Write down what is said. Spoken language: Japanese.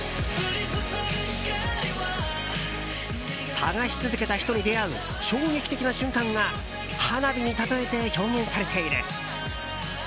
探し続けた人に出会う衝撃的な瞬間が花火に例えて表現されている。